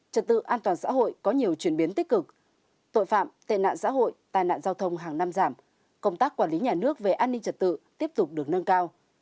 trật tự an toàn xã hội có nhiều chuyển biến tích cực tội phạm tệ nạn xã hội tài nạn giao thông hàng năm giảm công tác quản lý nhà nước về an ninh trật tự tiếp tục được nâng cao